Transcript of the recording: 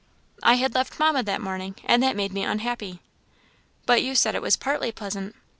"I had left Mamma that morning, and that made me unhappy." "But you said it was partly pleasant?"